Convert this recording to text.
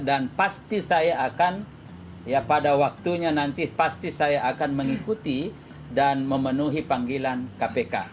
dan pasti saya akan ya pada waktunya nanti pasti saya akan mengikuti dan memenuhi panggilan kpk